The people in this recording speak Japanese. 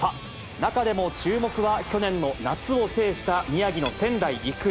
中でも注目は去年の夏を制した宮城の仙台育英。